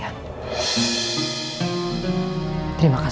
aku akan selalu mengingat kalian